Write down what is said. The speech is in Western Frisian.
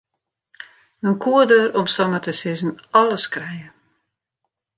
Men koe der om samar te sizzen alles krije.